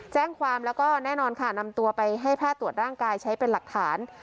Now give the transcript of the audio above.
แจ้งความแล้วก็แน่นอนค่ะนำตัวไปให้แพทย์ตรวจร่างกายใช้เป็นหลักฐาน